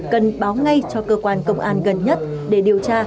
cần báo ngay cho cơ quan công an gần nhất để điều tra